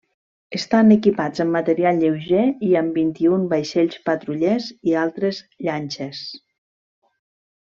Estan equipats amb material lleuger i amb vint-i-un vaixells patrullers i altres llanxes.